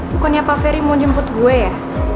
bukannya pak feri mau jemput gue ya